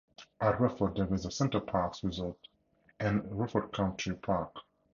At Rufford there is a Center Parcs resort and Rufford Country Park.